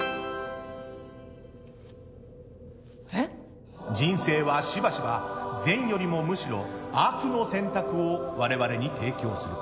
えっ？人生はしばしば、善よりもむしろ悪の選択を我々に提供する。